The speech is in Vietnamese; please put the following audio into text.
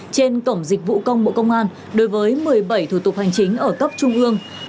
trên cổng dịch vụ công bộ công an đối với một mươi bảy thủ tục hành chính ở cấp trung ương